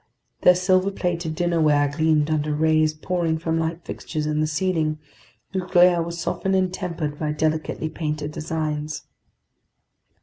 There silver plated dinnerware gleamed under rays pouring from light fixtures in the ceiling, whose glare was softened and tempered by delicately painted designs.